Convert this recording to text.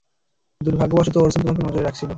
দুর্ভাগ্যবশত, ওরসন তোমাকে নজরে রাখছিল।